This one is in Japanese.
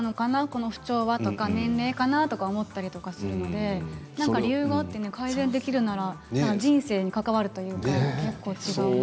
この不調は、とか年齢かなと思ったりするので理由があって改善できるなら人生に関わるというか結構違うので。